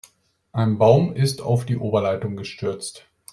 Ein Baum ist auf die Oberleitung gestürzt.